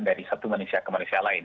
dari satu manusia ke manusia lain